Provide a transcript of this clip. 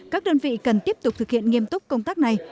các đơn vị cần tiếp tục thực hiện nghiêm túc công tác này